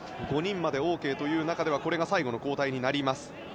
５人までＯＫという中ではこれが最後の交代になります。